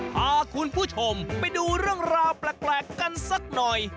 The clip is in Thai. พาคุณผู้ชมไปดูเรื่องราวแปลกกันสักหน่อย